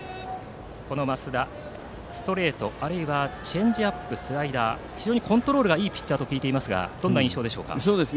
この増田、ストレートあるいはチェンジアップスライダーと非常にコントロールがいいピッチャーだと聞いていますがどんな印象でしょうか？